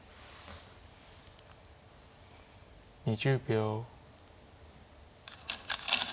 ２０秒。